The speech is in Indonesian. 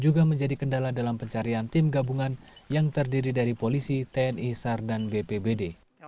juga menjadi kendala dalam pencarian tim gabungan yang terdiri dari polisi tni sar dan bpbd